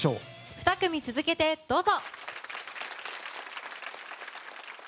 ２組続けてどうぞ。